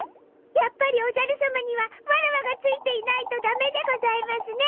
やっぱりおじゃるさまにはワラワがついていないとだめでございますね。